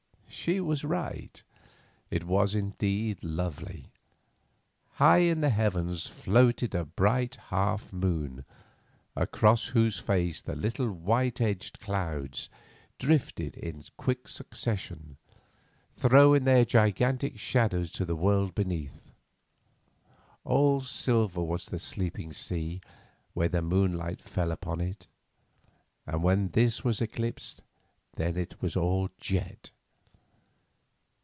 She was right, it was indeed lovely. High in the heavens floated a bright half moon, across whose face the little white edged clouds drifted in quick succession, throwing their gigantic shadows to the world beneath. All silver was the sleeping sea where the moonlight fell upon it, and when this was eclipsed, then it was all jet.